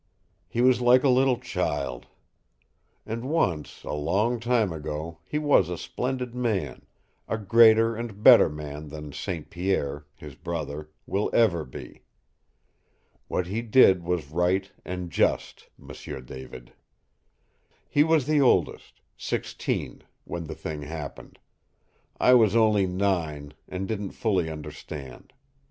He was like a little child. And once a long time ago he was a splendid man, a greater and better man than St. Pierre, his brother, will ever be. What he did was right and just, M'sieu David. He was the oldest sixteen when the thing happened. I was only nine, and didn't fully understand.